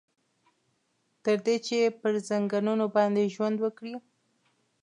تر دې چې پر ځنګنونو باندې ژوند وکړي.